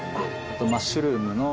あとマッシュルームの。